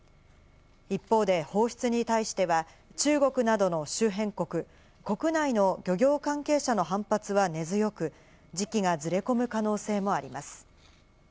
一方で放出に対しては、中国などの周辺国、国内の漁業関係者の反発は根強く、時期がずれ込む可能性もあります。